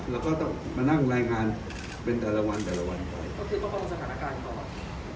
เราก็ต้องมานั่งรายงานเป็นแต่ละวันแต่ละวันก็คือต้องประมวลสถานการณ์ของเรา